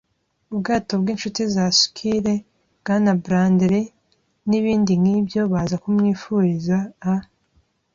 ubwato bwinshuti za squire, Bwana Blandly nibindi nkibyo, baza kumwifuriza a